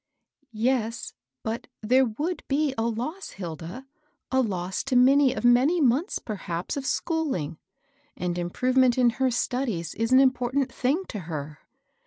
"Yes; but there would be a loss, Hilda, — a loss to Minnie of many months, perhaps, of school 118 MABEL UOSS. ing ; and improvement in her studies i& an im portant thing to her.